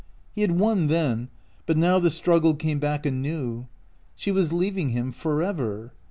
He had won then, but now the struggle came back anew. She was leaving him forever.